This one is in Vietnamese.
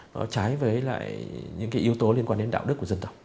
nó trái với lại những cái yếu tố liên quan đến đạo đức của dân tộc